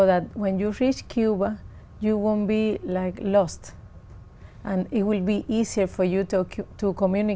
đến cuba vào tháng ba